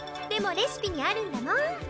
でもレシピにあるんだもん。